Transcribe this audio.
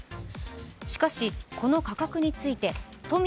しかし、この価格について都民